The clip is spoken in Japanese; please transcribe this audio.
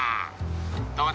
どうだ？